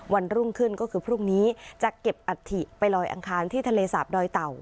วันรุ่งขึ้นก็คือพรุ่งนี้จะเก็บอัฐิไปลอยอังคารที่ทะเลสาบดอยเต่า